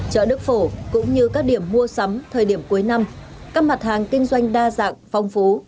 chợ đức phổ cũng như các điểm mua sắm thời điểm cuối năm các mặt hàng kinh doanh đa dạng phong phú